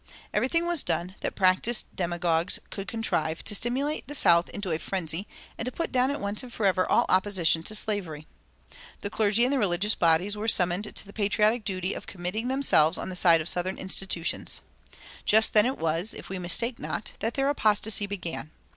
Everything was done that practiced demagogues could contrive to stimulate the South into a frenzy and to put down at once and forever all opposition to slavery. The clergy and the religious bodies were summoned to the patriotic duty of committing themselves on the side of 'southern institutions.' Just then it was, if we mistake not, that their apostasy began.